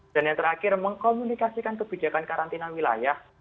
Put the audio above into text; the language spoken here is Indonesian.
dan yang terakhir mengkomunikasikan kebijakan karantina wilayah